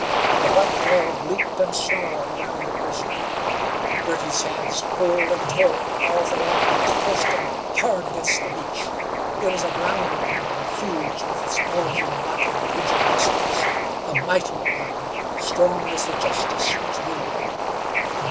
The white dog leaped and snarled around the prisoner. Girty's hands pulled and tore at the powerful arm which forced him hard against the beech. It was a brown arm, and huge with its bulging, knotted, rigid muscles. A mighty arm, strong as the justice which ruled it.